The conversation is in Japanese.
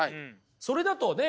それだとね